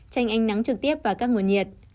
chanh ánh nắng trực tiếp và các nguồn nhiệt